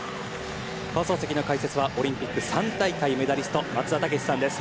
放送席の解説はオリンピック３大会メダリスト松田丈志さんです。